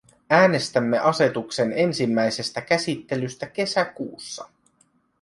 Äänestämme asetuksen ensimmäisestä käsittelystä kesäkuussa.